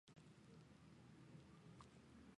本路线是唯一由西贡郊区开出的早晨特别路线。